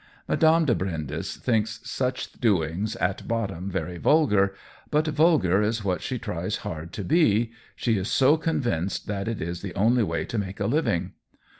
Madame de Brindes thinks such doings at bottom very vulgar ; but vulgar is what she tries hard to be, she is so convinced it is the only way to make a living.